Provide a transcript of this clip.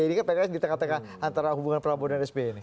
ini kan pks di tengah tengah antara hubungan prabowo dan sby ini